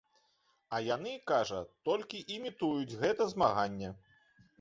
А яны, кажа, толькі імітуюць гэта змаганне.